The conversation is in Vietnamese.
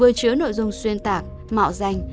vừa chứa nội dung xuyên tạc mạo danh